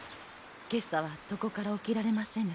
今朝は床から起きられませぬ。